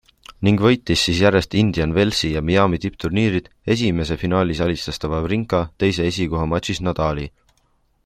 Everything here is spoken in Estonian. Ning võitis siis järjest Indian Wellsi ja Miami tippturniirid, esimese finaalis alistas ta Wawrinka, teise esikohamatšis Nadali.